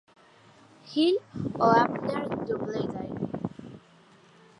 Hill o Abner Doubleday.